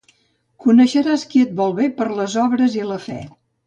Coneixeràs qui et vol bé, per les obres i la fe.